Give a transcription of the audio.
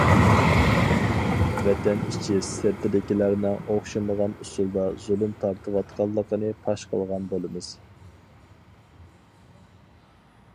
ۋەتەن ئىچى-سىرتىدىكىلەرنىڭ ئوخشىمىغان ئۇسۇلدا زۇلۇم تارتىۋاتقانلىقىنى پاش قىلغان بولىمىز.